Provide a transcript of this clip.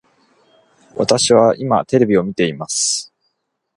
私は今テレビを見ています